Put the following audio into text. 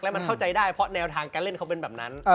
มันเข้าใจได้เพราะแนวทางการเล่นเขาเป็นแบบนั้น